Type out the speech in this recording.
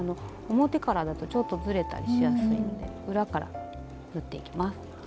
表からだとちょっとずれたりしやすいので裏から縫っていきます。